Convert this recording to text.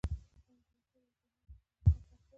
مصنوعي ځیرکتیا د انساني ارزښتونو انعکاس ته اړتیا لري.